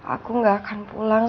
aku gak mau pulang